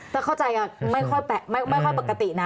ถ้าเข้าใจไม่ค่อยปกตินะ